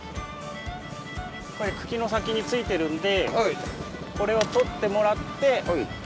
これ茎の先についてるんでこれをとってもらって。